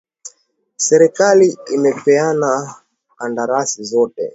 Serikali imepeana kandarasi zote